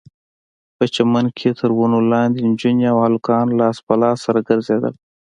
په چمن کښې تر ونو لاندې نجونې او هلکان لاس په لاس سره ګرځېدل.